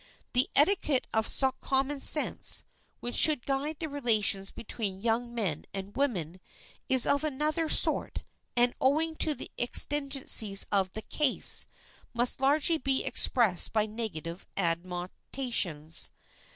The etiquette of common sense, which should guide the relations between young men and women, is of another sort and, owing to the exigencies of the case, must largely be expressed by negative admonitions.